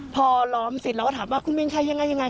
พอล้อมเสร็จเราก็ถามว่าคุณมิงใช่ยังไงยังไง